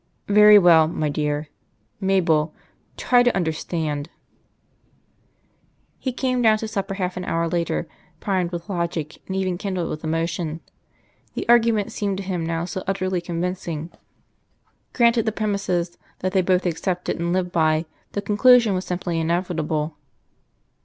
"Very well, my dear.... Mabel, try to understand." He came down to supper half an hour later, primed with logic, and even kindled with emotion. The argument seemed to him now so utterly convincing; granted the premises that they both accepted and lived by, the conclusion was simply inevitable.